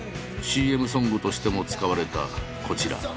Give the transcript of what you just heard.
ＣＭソングとしても使われたこちら。